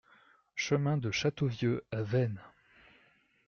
Chemin de Châteauvieux à Veynes